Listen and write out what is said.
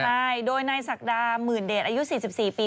ใช่โดยนายศักดาหมื่นเดชอายุ๔๔ปี